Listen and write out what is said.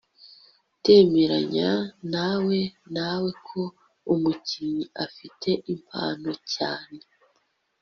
Ndemeranya nawe nawe ko umukinnyi afite impano cyane